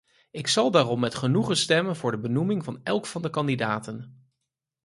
Ik zal daarom met genoegen stemmen voor de benoeming van elk van de kandidaten.